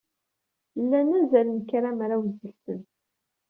Llan azal n kramraw seg-sen.